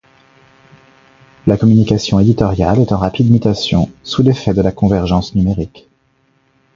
La communication éditoriale est en rapide mutation sous l'effet de la convergence numérique.